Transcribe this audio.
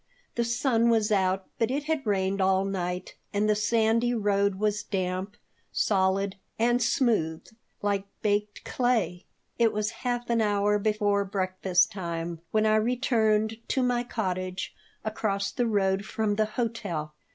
The sun was out, but it had rained all night and the sandy road was damp, solid, and smooth, like baked clay. It was half an hour before breakfast time when I returned to my cottage across the road from the hotel.